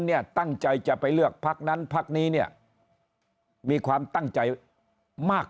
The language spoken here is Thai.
เนี่ยตั้งใจจะไปเลือกพักนั้นพักนี้เนี่ยมีความตั้งใจมาก